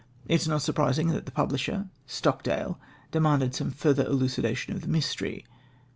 It is not surprising that the publisher, Stockdale, demanded some further elucidation of the mystery.